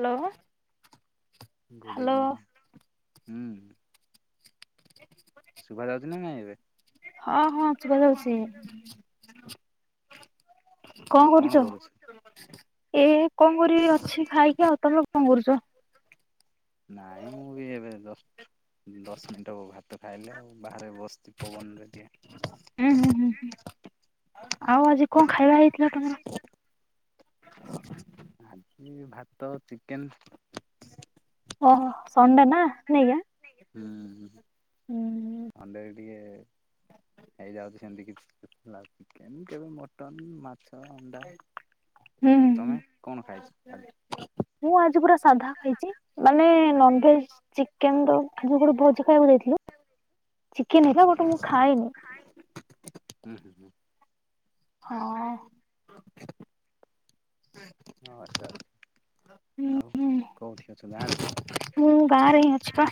Hello. Good evening. ହୁଁ। [unintelligible] ଶୁଭା ଯାଉଚି ନା ନାଇଁ ଏବେ? ହଁ ହଁ ଶୁବା ଯାଉଚି। କଣ କରୁଚ ଏ କଣ କରିବି ଅଛି ଖାଇକି ଆଉ ତମେ କଣ କରୁଚ? ନାଇଁ ମୁଁ ବି ଏବେ ଜଷ୍ଟ୍ ଦଶ ମିନିଟ ହବ ଭାତ ଖାଇଲେ ଆଉ ଭା ବସିଚି ପବନରେ ହୁଁ ହୁଁ ହୁଁ ଟିକେ। [unintelligible] ଆଉ ଆଜି କଣ ଖାଇବା ହେଇଥିଲା ତମର? [unintelligible] ଆଜି ଭାତ ଚିକେନ। ଓହୋ। ସଣ୍ଡେ ନା ନାଇଁକା ହୁଁ ହୁଁ ଥାଣ୍ଡା ଟିକେ ହେଇଯାଉଚି ସେମିତି କି କେବେ ହେଲା ଚିକେନ କେବେ ମଟନ୍ ମା ମାଛ, ଅଣ୍ଡା। ହୁଁଁ ତମେ କଣ ଖାଇଛ ଆଜି? ହୁଁ ମୁଁ ଆଜି ପୁରା ସାଧା ଖାଇଚି ମାନେ ନନ୍ ଭେଜ୍ ଚିକେନ ର ଆଜି ଗୋଟେ ଭୋଜି ଖାଇବାକୁ ଯାଇଥିଲି। ଚିକେନ ହେଇଥିଲା ଆଚ୍ଛା ବଟ୍ ମୁଁ ଖାଏନି। ହୁଁ ହୁଁ ହୁଁ ହଁ। ହଁ ଆଛା ହୁଁ ଆଛା ଆଉ ହୁଁ କୋଉଠି ଅଛ ଗାଁରେ? ମୁଁ ଗାଁ ରେ ହିଁ ଅଛିବା।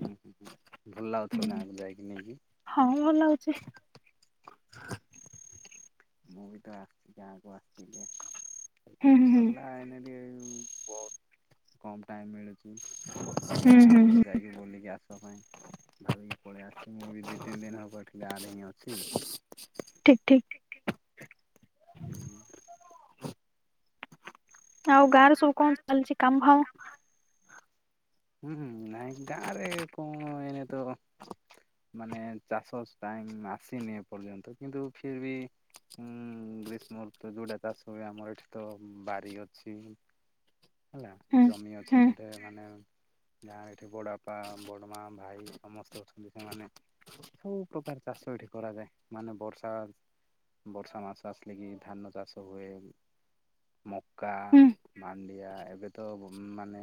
ହୁଁ ହୁଁ। ଭଲ ଲାଗୁଥୁବ ଗାଁ ରେ ଯାଇକି ନେଇକି? ହଁ ଭଲ ଲାଗୁଚି। ମୁଁ ବି ତ ଆସିଚି ଗାଁ କୁ ଆସିଥିଲି। ହୁଁ ଏଗ୍ଜାମ୍ ହୁଁ ସରିଲା [unintelligible] ବ କମ୍ ଟାଇମ୍ ମିଳେ ସେ ପାଇଁ ହୁଁ ହୁଁ ଗାଁରେ ହୁଁ ଯାଇକି ବୁଲିକି ଆସିବା ପାଇଁ ଭଲିକି ପଳେଇ ଆସିଛି ମୁଁ ବି ଦି ତିନି ଦିନ ହବ ଏଠି ଗାଁ ରେ ହିଁ ଅଛି। ଠିକ ଠିକ ହୁଁ। ଆଉ ଗାଁରେ ସବୁ କଣ ଚାଲିଛି କାମ ଫାମ? ହୁଁ ହୁଁ ନାଇଁ ଗାଁରେ କଣ ଏଇନେ ତ ମାନେ ଚାଷ ଟାଇମ୍ ଆସିନି ଏ ପର୍ଯ୍ୟନ୍ତ କିନ୍ତୁ ଫିର୍ ବି ଗ୍ରୀଷ୍ମଋତୁ ଯୋଉଟା ଚାଷ ହୁଏ ଆମର ଏଠି ତ ବାରି ଅଛି। ହେଲା ହୁଁ ଜମି ଅଛି ହୁଁ ସେଠି ମାନେ ଗାଁ ରେ ଏଠି ବଡ ବାପା ବଡ ମା ଭାଇ ସମସ୍ତେ ଅଛନ୍ତି ସେମାନେ ସବୁ ପ୍ରକାର ଚାଷ ଏଠି କରାଯାଏ ମାନେ ବର୍ଷା ବର୍ଷା ମାସ ଆସିଲେ କି ଧାନ ଚାଷ ହୁଏ। ମକା ହୁଁ ମା ଆ ଏବେ ତ ମାନେ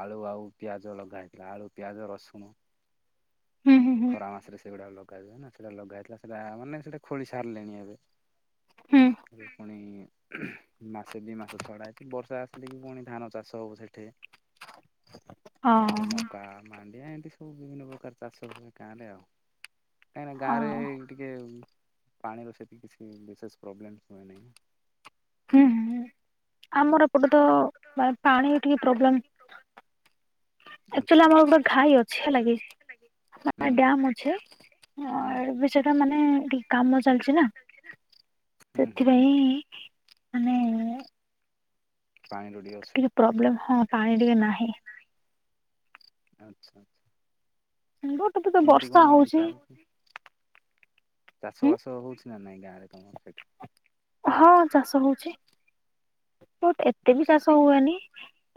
ଆଳୁ ଆଉ ପିଆଜ ଲଗା ହେଇଥିଲା ଆଳୁ ପିଆଜ ରସୁଣ। ହୁଁ ହୁଁ ହୁଁ ଖରା ମାସରେ ସେଗୁଡା ଲଗାାଯଏ ନା ସେଟା ଲଗା ହେଇଥିଲା ସେଟମାନେ ସେଟା ଖୋଳି ସାରିଲେଣି ଏବେ ହୁଁ ପୁଣି ମାସେ ଦି ମାସ ଛଡା ହେଇଛି ବର୍ଷା ଆସିଲେ କି ପୁଣି ଧାନ ଚାଷ ହବ ସେଠି। ତାପରେ ହଁ ମକା ମା ଏ ଏମିତି ସବୁ ବିଭିନ୍ନ ପ୍ରକାର ଚାଷ ହୁଏ। ଗାଁରେ ଆଉ କାହିଁକ ନା ହଁ ଗାଁରେ ଟିକେ ପାଣିର ସେତିକି କିଛି ବିଶେଷ ପ୍ରୋବ୍ଲେମ୍ ହୁଏ ହୁଁ ହୁଁ ନାହିଁ। ନା। ଆମର ଏପଟେ ତ ପାଣି ଟିକେ ପ୍ରୋବ୍ଲେମ୍। ଆକଚୁଆଲି ଆଚ୍ଛା ଆମର ଗୋଟେ ଘାଇ ଅଛି ହେଲାକି ହୁଁ ମାନେ ଡ୍ୟାମ୍ ଅଛି ଆ ହୁଁ ଏ ସେଟା ମାନେ ଟିକେ କାମ ଚାଲିଛି ନା ହୁଁ ହୁଁ ସେଥିପାଇଁ। ଆମେ ପାଣିର ଟିକେ ଅସୁବିଧା ପ୍ରୋବ୍ଲେମ ହଁ ପାଣି ଟିକେ ନାହିଁ। ଆଚ୍ଛା ଆଚ୍ଛା [unintelligible] ତ କେମିତି ବର୍ଷା କଣ ହଉଛି। ଚାଲ ଚାଷ ହୁଁ ବାସ ହଉଛି। ନା ନାହିଁ ଗାଁରେ ତମର ସେଠି? ହଁ ଚାଷ ହଉଛି। ବଟ୍ ଏତେ ବି ଚାଷ ହୁଏନି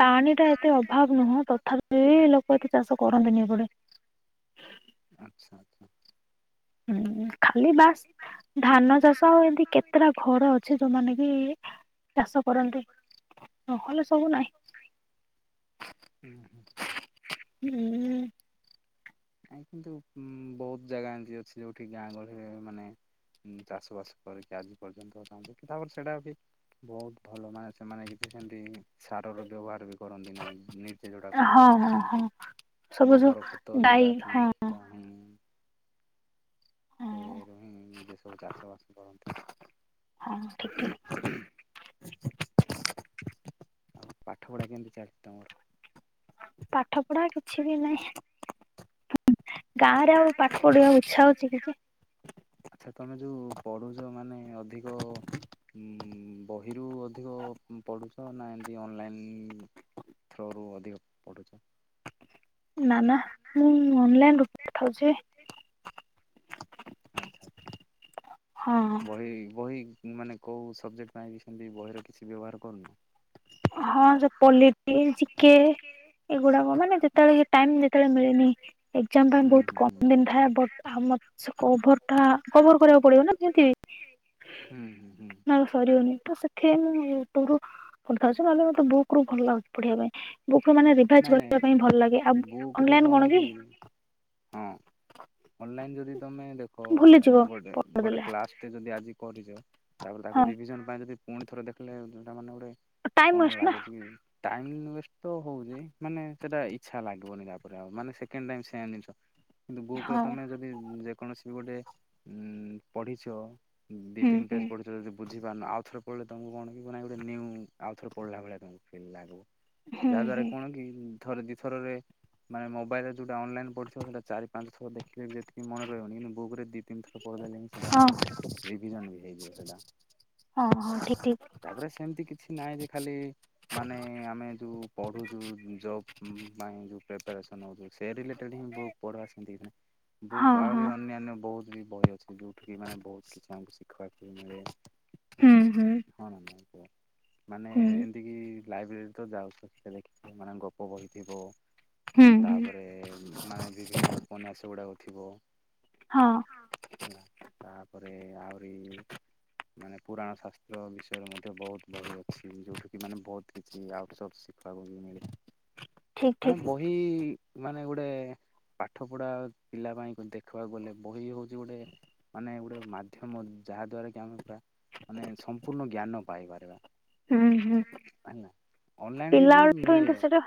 ପାଣି ଟା ଏତେ ଅଭାବ ନୁହଁ ତଥାପି ଲୋକ ଏତେ ଚାଷ କରନ୍ତିନି ଏପଟେ। ହ [inaudible] ହୁଁ। ଖାଲି ବାସ୍ ଧାନ ଚାଷ ଆଉ ଏମତି କେତେଟା ଘର ଅଛି ଯେଉଁମାନେ ବି ଚାଷ କରନ୍ତି ନହେଲେ ସବୁ ନାହିଁ ହୁଁ। କାଇଁ କିନ୍ତୁ ବହୁତ ଜାଗା ଏମିତି ଅଛି ଯୋଉଠି ଗାଁ ଗହଳିରେ ମାନେ ଚାଷ ବାସ କରିକି ଆଜି ପର୍ଯ୍ୟନ୍ତ ତାଙ୍କ କି ତାପରେ ସେଇଟା ବି ବହୁତ ଭଲ ମାନେ ସେମାନେ କିଛି ସେମତି ସାରର ବ୍ୟବହାର ବି କରନ୍ତି ନାାଇଁ ନିଜେ ଯୋଉଟା କରିବା ହଁ ପାଇଁ ହଁ ହଁ ଥାଆନ୍ତି ସବୁ ଯୋଉ ଗୋବର ଖତ ଗାଈ ଯୋଉଟା। ହଁ ାଇ [unintelligible] ହଁ ସେ ରୁ ହିଁ ନିଜେ ସବୁ ଚାଷ ବାସ ହଁ ଠିକ ଠିକ କରନ୍ତି। ପାଠ ପଢ଼ା କେମିତି ଚାଲିଛି ତମର? ପାଠ ପଢ଼ା କିଛି ବି ନାହିଁ। ଗାଁ ରେ ଆଉ ପାଠ ପଢିବାକୁ ଇଚ୍ଛା ହଉଛି କି ଯେ ଆଚ୍ଛା ତମେ ଯୋଉ ପଢୁଛ ମାନେ ଅଧିକ ଅମ୍। ବହିରୁ ଅଧିକ ପଢୁଛ ନା ଏମିତି ଅନଲାଇନ୍ ଥ୍ରୋରୁ ଅଧିକ ପଢୁଛ। ନା ନା ମୁଁ ଅନଲାଇନ ରୁ ପଢ଼ିଥାଉଛି। ଆଚ୍ଛା ଆଚ୍ଛା ହଁ ବହି ବହି ମାନେ କେଉଁ ସବଜେକ୍ଟ ପାଇଁ ବି ସେମତି ବହିର କିଛି ବ୍ୟବହାର କରୁନ? ହଁ ଯୋଉ ପୋଲିଟି, ଜିକେ ଏଗୁଡାକ ମାନେ ଯେତେବେଳେ ଟାଇମ ଯେତେବେଳେ ମିଳେନି ଏକଜାମ୍ ପାଇଁ ହୁଁ ବହୁତ ହୁଁ କମ ଦିନ ଥାଏ ବଟ୍ କଭର କରିବାକୁ ପଡିବ ନା ଯେମିତି ବି ହୁଁ ହୁଁ ହୁଁ ନହେଲେ ସରିବନି ତ ସେଥି ମୁଁ ପଢୁ ବୁକ ରୁ ଭଲ ପଢିବାପାଇଁ ଵୁକ୍ ରୁ ମାନେ ରିଭାଇଜ ନାଇଁ କରିବା ପାଇଁ ଭଲ ଲାଗେ ଆଉ ନାଇଁ ବୁକ୍ ରେ ଅନଲାଇନ କଣ କି ହଁ ଅନଲାଇନ୍ ଯଦି ତମେ ଭୁଲିଯିବ ଗୋଟେ ଗୋଟେ ପଢିଦେଲେ କ୍ଲାସ ଟେ ଯଦି ଆଜି କରିଛ ତାପରେ ତାକୁ ହଁ ରିଭିଜନ ପାଇଁ ଯଦି ପୁଣି ଥରେ ଦେଖିଲେ ଡ଼ା କଣ ଟାଇମ ୱେଷ୍ଟ ନା ଲାଗୁଛି କି? ଟାଇମ ଉଏଷ୍ଟ ତ ହଉଛି ମାନେ ସେଟା ଇଛା ଲାଗିବନି ତାପରେ ଆଉ ମାନେ ସେକେଣ୍ଡ ଟାଇମ ସେମ ଜିନିଷ କିନ୍ତୁ ବଉ କୁହେ ହଁ ତମେ ଯଦି କୌଣସି ବି ଗୋଟେ ଉଁ ପଢିଛ ଦି ହୁଁ ତିନି ହୁଁ ପେଜ ପଢିଛ ଯଦି ବୁଝିପାରିନ ଆଉ ଥରେ ପଢିଲେ ତମକୁ କଣ କି ମାନେ ଗୋଟେ ନୀଉଁ ଆଉ ଥରେ ପଢିଲା ଭଳିଆ ତମକୁ ଫୀଲ ଲାଗେବ। ହୁଁ ଯାହା ଦ୍ଵାରା ହୁଁ କଣ କି ଥରେ ଦିଥରରେ ମାନେ ମୋବାଇଲ ରେ ଯୋଉଟା ଅନଲାଇନ ପଢିିଥିବ ସେଟା ଚାରି ପାଞ୍ଚ ଥର ଦେଖିଲେ ବି ଯେତିକି ମନେ ରହିବ ଗୁରେ ଦି ତିନି ଥର ପଢଦେଲେ ହିଁ ସେଡ଼ା ହଁ ମାନେ ରିଭିଜନ ବି ହେଇଯିବ ସେଡ଼ା ହଁ ହଁ ଠିକ ଠିକ ତାପରେ ସେମିତି କିଛି ନାହିଁ ଯେ ଖାଲି ମାନେ ଆମେ ଯୋଉ ପଢୁଛୁ ଜବ୍ ପାଇଁ ଜଉ ପ୍ରିପାରେସନ୍ ହଉଛି ସେ ରିଲେଟେଡ ହିଁ ବୁକ୍ ପଢା ସେମିତି କିଛିନାହିଁ ହଁ ବୁକ୍ ହଁ ଆହୁରି ଅନ୍ୟାନ୍ୟ ବହୁତ ବି ବହି ଅଛି। ଯୋଉଠି କିି ମାନେ ବହୁତ କିଛି ଆମକୁ ଶିଖିବାକୁ ବି ମିଳେ ହୁଁ ହୁଁ ହଁ [unintelligible] ମାନେ ହୁଁ ଏମତି କିି ଲାଇବ୍ରେରୀ ତ ଯାଉଛ ସେ ଦେଖିଥିବେ ମାନେ ଗପ ବହିଥିବ। ହୁଁ ହୁଁ ତାପରେ ମାନେ ବିଭିନ୍ନ ଉପନ୍ୟାସ ଗୁଡାକ ଥିବ ହଁ [unintelligible] ହେଲା ତାପରେ ଆହୁରି ମାନେ ପୁରାଣ ଶାସ୍ତ୍ର ବିଷୟରେ ମଧ୍ୟ ବହୁତ ବହି ଅଛି ଯୋଉଠି କି ମାନେ ବହୁତ କିଛି ଆଉଟସର୍ସ ଶିଖିବାକୁ ବି ମିଳେ। ଠିକ ମାନେ ଠିକ ବହି ମାନେ ଗୋଟେ ପାଠ ପଢା ପିଲା ପାଇଁ ଦେଖିବାକୁ ଗଲେ ବହି ହଉଛି ଗୋଟେ ମାନେ ଗୋଟେ ମାଧ୍ୟମ ଯାହା ଦ୍ଵାରା କି ଆମେ ପୁରା ମାନେ ସମ୍ପୂର୍ଣ୍ଣ ଜ୍ଞାନ ପାଇପାରିବା। ହୁଁ, ହୁଁ ହେଲା ଅନଲାଇନ ରେ ବି ପିଲାବେଳ ଠୁ ମିଳେ ଇନ୍ତି ତ ସେଟା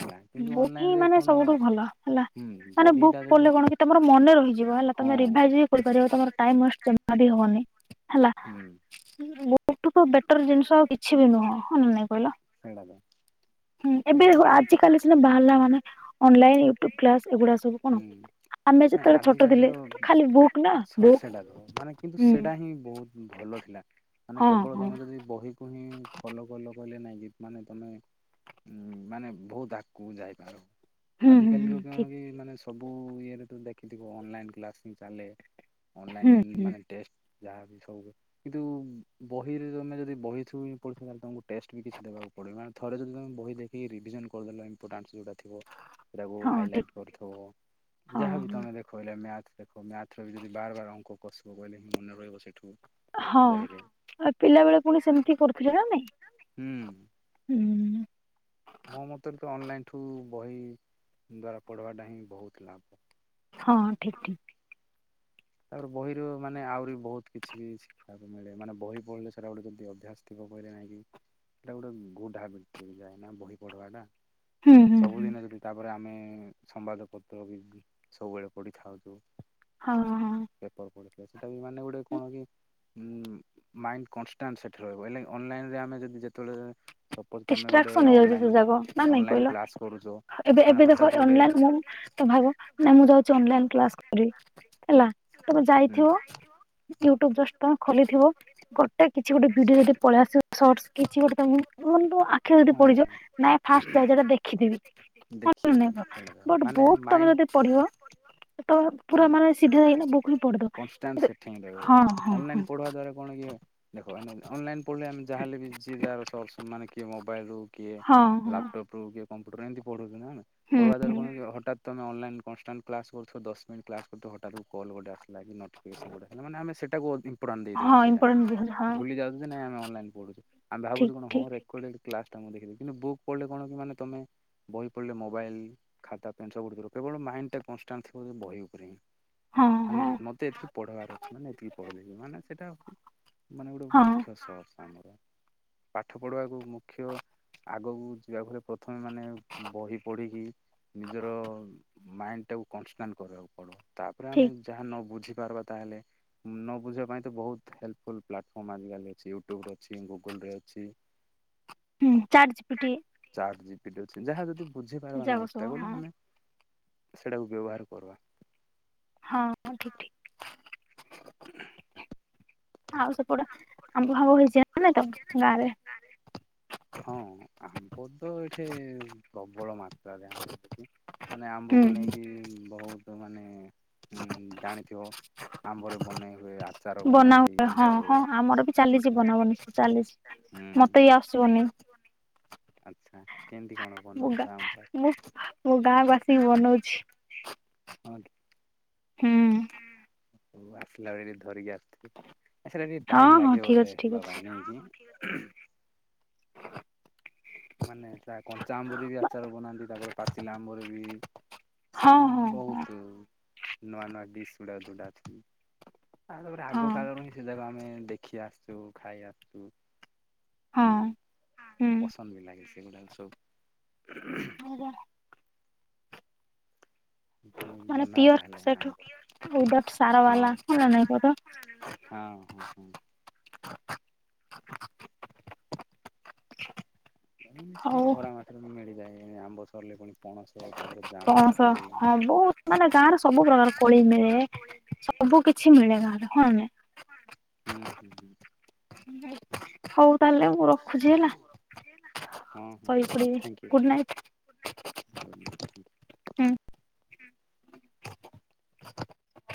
ହେଲା କିନ୍ତୁ ଵୁକ୍ ଅନଲାଇନ ହିଁ ରେ ମାନେ କଣ ସବୁଠୁ ଭଲ ହେଲା ହୁଁ ମାନେ ବୁକ୍ ବହିଟା ଯଦି ପଢିଲେ କଣ କି ତମର ମନେ ରହିଯିବ ହେଲା ହଁ ତମେ ରିଭାଇଜ ବି କରିପାର ତମର ଟାଇମ ୱେଷ୍ଟ ଜମା ବି ହବନି। ହେଲା ହୁଁ ମୁଁ ତା ଠୁ ବେ ବେଟର ଜିନିଷ ଆଉ କିଛି ବି ନୁହଁ ହଁ ନା ନାଇ କହିଲ ସେଇଟା ତ ହିଁ ମାନେ ଏବେ ବୁକ୍ ଆଜାକାଲି ସିନା ବାହାରିଲା ମାନେ ଅନଲାଇନ୍ ୟୁ ଟ୍ୟୁ୍ବ କ୍ଲାସ ଏଗୁଡ଼ାକ ସବୁ କଣ ହୁଁ ଆମେ ନାଇଁ ଯେତେବେଳେ ଛୋଟ ଥିଲେ ଆଜିକାଲିର ଖାଲି ବୁକ୍ ନା ସଟ ବୁକ୍ ସେଟା ତ ମାନେ କିନ୍ତୁ ହୁଁ ସେଟା ହିଁ ବହୁତ ଭଲ ଥିଲା। ମାନେ ହଁ କେବଳ ହଁ ତମେ ଯଦି ବହି ଫହି ଫଲୋ କଲ କହିଲେ ନାଇଁ କି ମାନେ ତମେ ଉ ମାନେ ବୋହୁତ ଆଗକୁ ଯାଇପାର। ହୁଁ ଆଜ ହୁଁ କାଲି ଲୋକ ହୁଁ କଣ ଠିକ କି ମାନେ ସବୁ ଇଏରେ ତୁ ଦେଖିଥିବୁ ଅନଲାଇନ୍ କ୍ଲାସ ହିଁ ଚାଲେ। ଅନଲାଇନ୍ ହୁଁ ହୁଁ ମାନେ ଟେଷ୍ଟ ଯାହାବି ସବୁ କିନ୍ତୁ ବ ବହିରେ ତମେ ଯଦି ବହିଥ୍ରୁ ବି ପଢୁଚ ତାହେଲେ ତମକୁ ଟେଷ୍ଟ ବି କିଛି ଦେବାକୁ ପଡିବନି ମାନେ ଥରେ ଯଦି ତମେ ବହି ଦେଖିକି ରିଭିଜନ କରିଦେଲ ଇମ୍ପୋଟାନ୍ସ ଯେଉଟା ଥିବ ଏଟାକୁ ହଁ ଠିକ ହାଇଲାଇଟ୍ କରିଥିବ ହଁ ଯାହାବି ହଁ। ତମେ ଦେଖ [unintelligible] ମ୍ୟାଥ୍ ଦେଖ ମ୍ୟାଥ୍ ର ବି ଯଦି ବାର ବାର ଅଙ୍କ କସିବ ବୋଇଲେ ହିଁ ମନେ ରହିବ ସେଠୁ ହଁ ବହିରେ [unintelligible] ପିଲା ବେଳେ ପୁଣି ସେମିତି କରୁଥିଲେ ନା ନାଇଁ ହୁଁ ହୁଁ। ଏଠୁ ବହି ଦ୍ଵାରା ପଢବାଟା ହିଁ ବୋହୁତ ଲାଭ। ହଁ ଠିକ୍ ଠିକ୍। ତାପରେ ବହିରୁ ମାନେ ଆହୁରି ବି ବୋହୁତ କିଛି ବି ଶିଖିବାକୁ ମିଳେ ମାନେ ବହି ପଢିଲେ ସେଇଟା ଗୋଟେ ଯଦି ଅଭ୍ୟାସ ଥିବ ବହିରେ ନାଇଁକି ହେଟା ଗୋଟେ ଗୁଡ୍ ହାବିଟ୍ ଯାଏ ନା ବହି ପଢବାଟା। ହୁଁ ହୁଁ ହୁଁ ସବୁଦିନ ଯଦି ତାପରେ ଆମେ ହୁଁ ସମ୍ବାଦ ପତ୍ର ବି ସବୁବେଳେ ପଢିଥାନ୍ତୁ। ହଁ। ହଁ। ପେପର୍ ପଢିକି ଆସି [unintelligible] ମାନେ ଗୋଟେ କଣ କି ମାଇଣ୍ଡ କଂଷ୍ଟାଣ୍ଡ ସେଠି ରହିବ ହେଲେ ଅନଲାଇନରେ ଆମେ ଯଦି ଯେତେବେଳେ ଯାଏଁ ଡିଷ୍ଟ୍ରାକସନ୍ ହେଇଯାଉଚି ସେ ଜାଗ ନା ନାଇଁ ଅନଲାଇନ କହିଲ। କ୍ଲାସ କରୁଛ ଏବେ ମାନେ ଏବେ ଦେଖ ହଠାତ୍ ଗୋଟେ ଅନଲାଇନ୍ ମୁଁ ତ ଭାବ ନା ମୁଁ ଯାଉଚି ଅନଲାଇନ୍ କ୍ଲାସ କରିବି ହେଲା। ତମେ ହୁଁ ଯାଇଥିବ ୟୁଟ୍ୟୁବ ଜଷ୍ଟ ତମେ ଖୋଲିଥିବ ଗୋଟେ କିଛି ଗୋଟେ ଭିଡିଓ ଯଦି ପଳେଇ ଆସିବ ଶର୍ଟସ କିଛି ଗୋଟେ ତମେ କୁହନ୍ତୁ ଆଖିରେ ଯଦି ପଡିଯିବ ହଁ ନାଇଁ ଫାଷ୍ଟ ଯୋଉରା ଦେଖିଥିବି ଦେଖିଦେବି [unintelligible] ସେଇଟା ବଟ୍ ମାନେ ବୋହୁତ ସମୟ ମାଇଣ୍ଡ ଯଦି ପଢିବ। ତମେ ପୁରା ମାନେ ସିଧା ହେଇଗଲେ ବୁକ୍ ହିଁ ପଢିଦବ [unintelligible] ହଁ। ହଁ ଅନଲାଇନ୍ ହଁ ପଢିବା ଦ୍ଵାର କଣ କି ଏ ଦେଖ ଏଇନେ ଅନଲାଇନ୍ ପଢିଲେ ଆମେ ଯାହାଲେ ବି ଯିଏ ଯାହାର ଶର୍ଟସ ମାନେ କିଏ ମୋବାଇଲରୁ କିଏ ହଁ ହଁ ଲାପଟପ୍ ରୁ କିଏ କମ୍ପ୍ୟୁଟର ଏମିତି ପଡୁ [unintelligible] ହୁଁ ପଢିବା ଦ୍ବାରା କଣ କି ହଠାତ୍ ତମେ ଅନଲାଇନ୍ [inaudible] କ୍ଲାସ୍ କରୁଥିବ ଦଶ ମିନଟ କରୁଥିବ ହଠାତ କଲ ଗୋଟେ ଆସୁ। [inaudible] ଆମେ। [unintelligible] [inaudible] ଦେଇ ଦଉଛୁ ହଁ ସେଇଟା ଇମ୍ପୋର୍ଟାଣ୍ଟ ହଁ ଭୁଲି ଯାଉଛୁ ନାଁ। [inaudible] [unintelligible] ଆମେ ଭାବୁ ଠିକ କଣ ହଁ ଠିକ ରେକ। କ୍ଲାସ୍ ଟା ମୁଁ ଦେଖି କିନ୍ତୁ ବୁକ୍ ପଢିଲେ କଣ କି ମାନେ ତମେ ବହି ପଢିଲେ ମୋବାଇଲ ଖାତା ପେନ୍ ସବ ପଢଥିଲିବ କେବଳ ମାଇଣ୍ଡ ଟା କନଷ୍ଟାଣ୍ଟ ଥିବ ବହି ଉପରେ ହିଁ। ହଁ ହଁ ମାନେ ମତେ ଏତିକି ପଢିବାର ଅଛି ମାନେ ଏତିକି। ମାନେ ସେଟା ଅ। ମାନେ ଗୋଟେ ହଁ ମୁଖ୍ୟ। [inaudible] ପାଠ ପଢିବାକୁ ମୁଁ। [unintelligible] ଆଗକୁ ଯିବା ଭଳି ପ୍ରଥମେ ମାନେ ବହି ପଢ଼ିକି ନିଜର ମାଇଣ୍ଡ ଟାକୁ କନଷ୍ଟାଣ୍ଡ କରିବାକୁ ପଡିବ। ତାପରେ ଆମେ ଠିକ ଯାହା ନ ବୁଝି। [inaudible] ତାହେଲେ। ନ ବୁଝିବା ପାଇଁ ତ ବହୁତ ହେଲ୍ପଫୁଲ ପ୍ଲାଟଫର୍ମ ଆଜିକାଲି ଅଛି ୟୁଟ୍ୟୁବ ରେ ଅଛି ଗୁଗୁଲ ରେ ଅଛି। ହୁଁ ଚାଟ ଜିପିଟି। [inaudible] ଅଛନ୍ତି ଯାହା ଯଦି। [inaudible] ଯାକ ସବୁ ହଁ ସେଇଟାକୁ ବ୍ୟବହାର କର। ହଁ ଠିକ ଠିକ୍। ଆଉ ସେପଟେ ଆମ୍ବ ଫାମ୍ୱ ହେଇଛି ନା ତମ ଗାଁରେ। ହଁ ଆମ୍ବ ତ ଏଠି ପ୍ରବଳ ମାତ୍ରାରେ ଆମ୍ବ ମାନେ ହୁଁ ଆମ୍ବକୁ ନେଇକି ବହୁତ। ତ ମାନେ ହୁଁ ଜାନ୍। ଆମ୍ବରେ ବନେଇ ହୁଏ। ଆଚାର ବନା ବନାନ୍ତି ହୁଏ ହଁ ଆମ୍ବରେ। ହଁ ଆମର ବି ଚାଲିଛି ହେଲା ବନାବନି ହୁଁ ଚାଲିଛି ମତେ ଏଇ ଆସ୍। [unintelligible] ଆଚ୍ଛା କେମିତି କଣ ବନଉଛ ଆମ୍ବ? [unintelligible] [inaudible] ବନଉଛି। ହୁଁ। ହଉ ଆସିଲା ବେଳେ ଧରିକି ଆସ। ସେଟା ଟିକେ ହଁ ଟାଇମ ହଁ ଲାଗେ ଠିକ ବୋଧେ ଅଛି ଠିକ ହବା ଅଛି ପାଇଁ [inaudible] [inaudible] ମାନେ ସେ କଞ୍ଚା ଆମ୍ବୁର ବି ଆଚାର ବନାନ୍ତି ତାପରେ ପାଚିଲା ଆମ୍ବରି ବି। ହଁ ମାନେ ହଁ ହଁ ବହୁତୁ। ନୂଆ ନୂଆ ଡିସ ଗୁଡା ଯୋଉତା ଅଛି। ଆଉ ତାପରେ ଆଗ ହଁ କାଳରୁ ହିଁ ସେ ଯାକ ଆମେ। ଦେଖି ଆସଛୁ ଖାଇ ଆସଛୁ। ହଁ ହୁଁ। ପସନ୍ଦ ବି ଲାଗି। ଏ ଗୁଡ଼ାକ ସବୁ। ନିଦ ଲାଗିଲାଣି। ତମେ ବି ମାନେ ବନାଅ ପିଓର ତାହେଲେ ହଁ ସେଠୁ ସାର ହଁ ବାଲା କଣ ନାଇ କ ତ। [inaudible] ହଁ ହଉ ଖୋରା ମାାତ ମିଳି ଯାଏ। ଏ ଆମ୍ବ ସରିଲେ ପୁଣି ପଣସ। ତାପରେ ଜାମୁ ପଣସ କୋଳି ହବୁ ମାନେ ଗାଁରେ ସବୁ ପ୍ରକାର କୋଳି ମିଳେ ସବୁ କିଛି ମିଳେ ଗାଁରେ ହଁ ନା ନାଇ। ହୁଁ ହୁଁ ହୁଁ ହଉ। ତାହେଲେ ମୁଁ ରଖୁଛି ହେଲା ହଁ ହଁ ହଉ ଶହିପଡିବି ଥ୍ୟାଙ୍କ ଗୁଡ ୟୁ ନାଇଟ ହୁଁ। ହୁଁ। [inaudible]